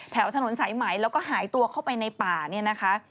แถวถนนสายไหมแล้วก็หายตัวเข้าไปในป่าเนี่ยนะคะ